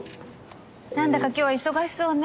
何だか今日は忙しそうね。